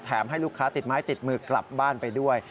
ให้ลูกค้าติดไม้ติดมือกลับบ้านไปด้วย